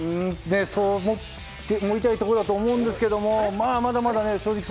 そう思いたいところだと思うんですがまだまだ正直。